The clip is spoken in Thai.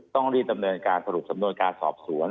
ต้องรีบดำเนินการสรุปสำนวนการสอบสวน